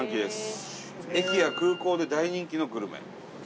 駅や空港で大人気のグルメ。